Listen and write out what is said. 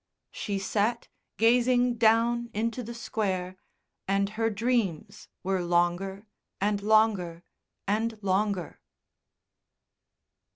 She sat, gazing down into the Square, and her dreams were longer and longer and longer.